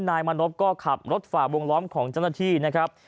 นายมานพก็ขับรถฝ่าวงล้อมของเจ้าหน้าที่นะครับ